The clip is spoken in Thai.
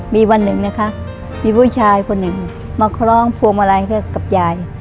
มีวันหนึ่งนะคะมีผู้ชายคนหนึ่งมาคล้องพวงมาลัยให้กับยาย